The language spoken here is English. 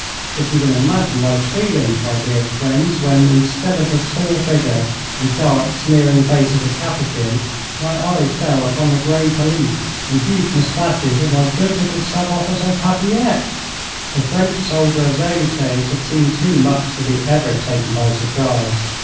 But you can imagine my feelings, my dear friends, when, instead of the tall figure and dark, sneering face of the Capuchin, my eyes fell upon the grey pelisse and huge moustaches of my good little sub officer, Papilette! The French soldier of those days had seen too much to be ever taken by surprise.